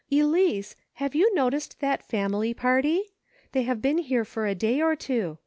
Elice, have you noticed that family party } They have been here for a day or two.